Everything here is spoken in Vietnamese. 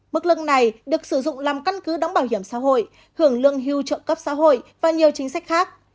mức lương này được sử dụng làm căn cứ đóng bảo hiểm xã hội hưởng lương hưu trợ cấp xã hội và nhiều chính sách khác